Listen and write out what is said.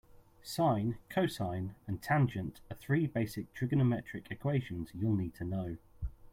Sine, cosine and tangent are three basic trigonometric equations you'll need to know.